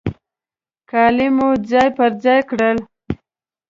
کالي مو ځای پر ځای کړل.